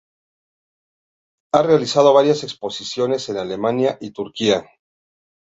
Ha realizado varias exposiciones en Alemania y Turquía.